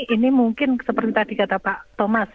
ini mungkin seperti tadi kata pak thomas